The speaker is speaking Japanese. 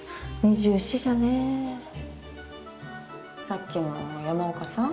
さっきの山岡さん？